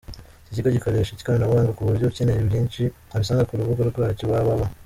Iki kigo kikoresha ikoranabuhanga ku buryo ukeneye byinshi abisanga ku rubuga rwacyo, www.